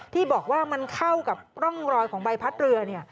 ที่บอกว่ามันเข้ากับร่องรอยของใบพัดเรือ